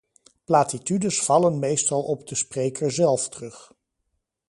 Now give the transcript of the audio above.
Platitudes vallen meestal op de spreker zelf terug.